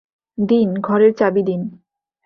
দিন, ঘরের চাবি দিন।